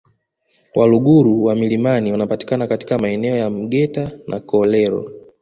Waluguru wa milimani wanapatikana katika maeneo ya Mgeta na Kolero